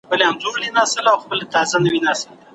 افریقا او اسیا تړل شوې.